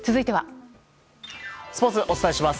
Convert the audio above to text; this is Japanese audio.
スポーツ、お伝えします。